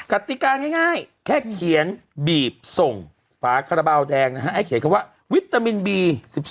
กติกาง่ายแค่เขียนบีบส่งฝาคาราบาลแดงนะฮะให้เขียนคำว่าวิตามินบี๑๒